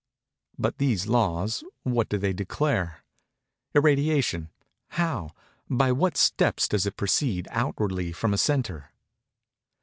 But these laws—what do they declare? Irradiation—how—by what steps does it proceed outwardly from a centre?